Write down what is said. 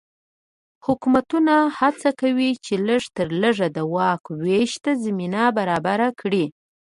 حکومتونه هڅه کوي چې لږ تر لږه د واک وېش ته زمینه برابره کړي.